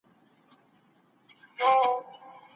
هغه کولای سي ډېره ډوډۍ ماڼۍ ته یوسي، که وړل یې اسانه وي.